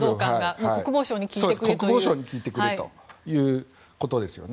国防相に聞いてくれということですね。